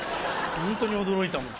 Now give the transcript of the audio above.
ホントに驚いたもん。